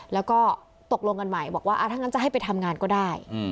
แล้วก็ตกลงกันใหม่บอกว่าถ้างั้นจะให้ไปทำงานก็ได้